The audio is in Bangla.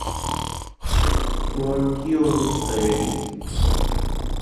তোমার কী অবস্থা, এডি?